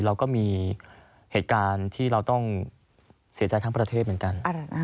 เราก็มีเหตุการณ์ที่เราต้องเสียใจทั้งประเทศเหมือนกัน